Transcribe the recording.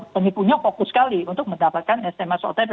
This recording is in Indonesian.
penipunya fokus sekali untuk mendapatkan sms otp